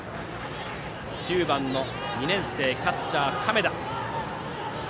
９番の２年生キャッチャーの亀田。